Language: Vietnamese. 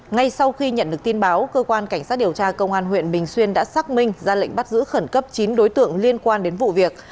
ngay sau khi nhận được tin báo cơ quan cảnh sát điều tra công an huyện bình xuyên đã xác minh ra lệnh bắt giữ khẩn cấp chín đối tượng liên quan đến vụ việc